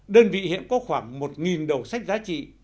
đơn vị hiện có khoảng một đầu sách giá trị